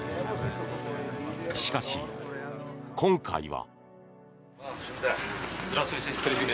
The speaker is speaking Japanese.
しかし、今回は。